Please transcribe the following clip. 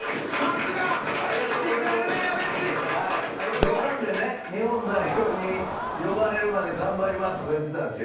冗談でね日本代表に呼ばれるまで頑張りますとか言ってたんですよ。